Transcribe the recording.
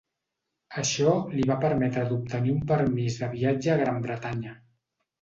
Això li va permetre d'obtenir un permís de viatge a Gran Bretanya.